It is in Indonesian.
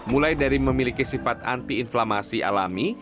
mulai dari memiliki sifat anti inflamasi alami